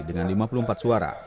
dengan lima puluh empat suara